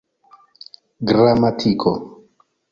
gramatiko